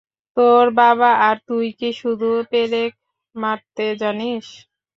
তোর বাবা আর তুই কি শুধু পেরেক মারতে জানিস?